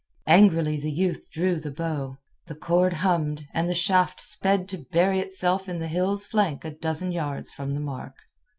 Angrily the youth drew the bow. The cord hummed, and the shaft sped to bury itself in the hill's flank a dozen yards from the mark.